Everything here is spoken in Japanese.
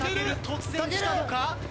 突然きたのか？